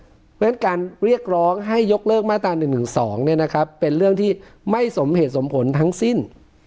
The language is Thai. เพราะฉะนั้นการเรียกร้องให้ยกเลิกมาตรา๑๑๒เป็นเรื่องที่ไม่สมเหตุสมผลทั้งสิ้น